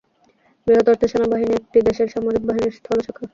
বৃহৎ অর্থে সেনাবাহিনী একটি দেশের সামরিক বাহিনীর স্থল শাখা।